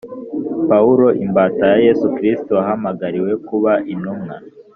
Pawulo imbata ya Yesu Kristo, wahamagariwe kuba intumwa